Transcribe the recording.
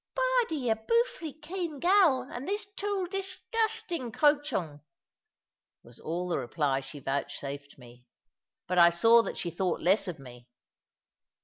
"Bardie a boofley kean gal, and this 'tool degustin' cochong!" was all the reply she vouchsafed me; but I saw that she thought less of me.